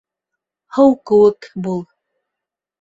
Һыу кеүек бул